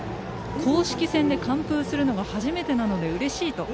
公式戦で完封するのが初めてなのでうれしい。